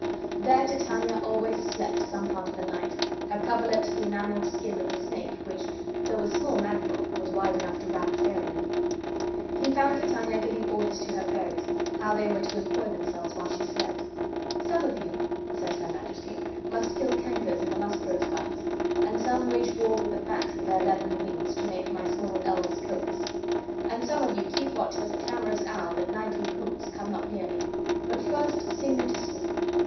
There Titania always slept some part of the night; her coverlet the enameled skin of a snake, which, though a small mantle, was wide enough to wrap a fairy in. He found Titania giving orders to her fairies, how they were to employ themselves while she slept. "Some of you," said her Majesty, "must kill cankers in the musk rose buds, and some wage war with the bats for their leathern wings, to make my small elves coats; and some of you keep watch that the clamorous owl, that nightly boots, come not near me: but first sing me to sleep."